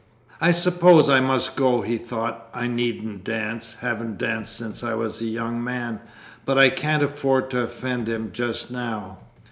"I suppose I must go," he thought. "I needn't dance. Haven't danced since I was a young man. But I can't afford to offend him just now."